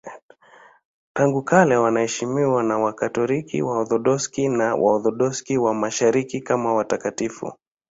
Tangu kale wanaheshimiwa na Wakatoliki, Waorthodoksi na Waorthodoksi wa Mashariki kama watakatifu.